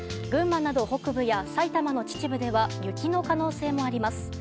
群馬など北部や埼玉の秩父では雪の可能性もあります。